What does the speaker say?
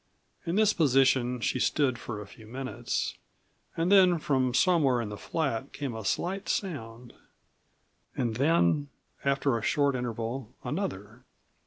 In this position she stood for a few minutes, and then from somewhere in the flat came a slight sound and then, after a short interval, another.